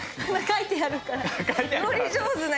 「書いてあるから」って。